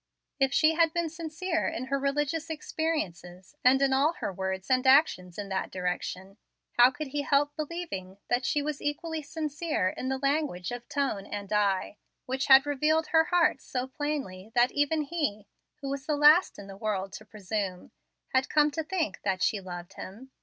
If she had been sincere in her religious experiences, and in all her words and actions in that direction, how could he help believing that she was equally sincere in the language of tone and eye, which had revealed her heart so plainly that even he, who was the last in the world to presume, had come to think that she loved him?